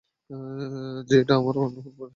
যে এটা আর কখনো ঘটবে না।